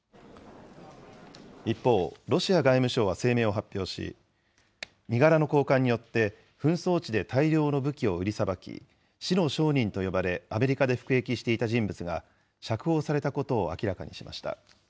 一方、ロシア外務省は声明を発表し、身柄の交換によって、紛争地で大量の武器を売りさばき、死の商人と呼ばれ、アメリカで服役していた人物が釈放されたことを明らかにしました。